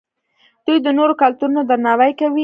دوی د نورو کلتورونو درناوی کوي.